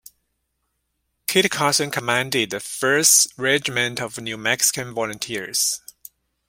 Kit Carson commanded the First Regiment of New Mexican volunteers.